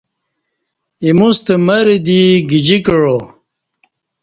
ایموستہ مرہ دی گجی کعا۔